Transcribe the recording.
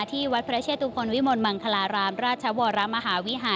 ตรันยุวรรธนา